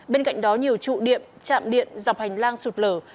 bên cạnh đó nhiều trụ điện trạm điện dọc hành lang sạt lở cũng bị hư hại và gãy đổ